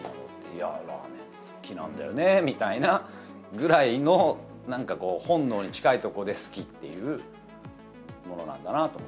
いや、ラーメン好きなんだよねぐらいのなんかこう、本能に近いところで好きっていうものなんだなと。